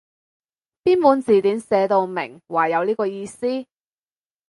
邊本字典寫到明話有呢個意思？